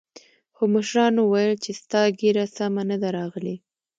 خو مشرانو ويل چې ستا ږيره سمه نه ده راغلې.